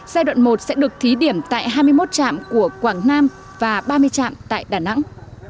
giai đoạn một sẽ được thí điểm tại hai mươi một trạm của quảng nam và ba mươi trạm tại đà nẵng